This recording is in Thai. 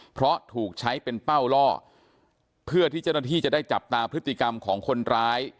เพราะถูกใช้เป็นเป้าล่อเพื่อที่เจ้าหน้าที่จะได้จับตาพฤติกรรมของคนร้าย